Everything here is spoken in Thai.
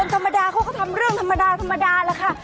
ธรรมดาเขาก็ทำเรื่องธรรมดาธรรมดาแหละค่ะ